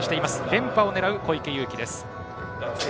連覇を狙う小池祐貴です。